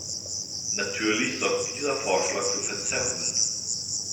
Natürlich sorgt dieser Vorschlag für Verzerrungen.